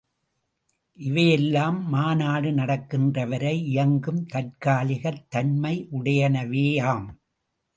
இவையெல்லாம், மாநாடு நடக்கின்ற வரை இயங்கும் தற்காலிகத் தன்மையுடையனவேயாம்.